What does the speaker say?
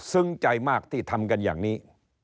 ใจมากที่ทำกันอย่างนี้